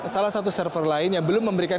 salah satu server lain yang belum memberikan